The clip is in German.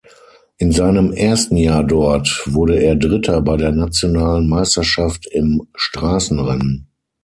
In seinem ersten Jahr dort wurde er Dritter bei der nationalen Meisterschaft im Straßenrennen.